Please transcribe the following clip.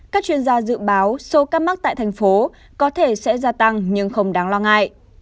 các chuyên gia dự báo số ca mắc tại thành phố có thể sẽ gia tăng nhưng không đáng lo ngại